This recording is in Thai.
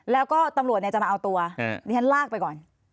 แล้วก็ตำรวจจะมาเอาตัวดิฉันลากไปก่อน